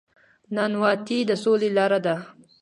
نانواتې د سولې لاره ده